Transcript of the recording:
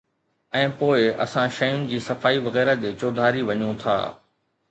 ۽ پوءِ اسان شين جي صفائي وغيره جي چوڌاري وڃون ٿا